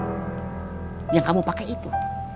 yang kamu pakai itu